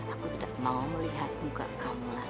aku tidak mau melihat muka kamu lagi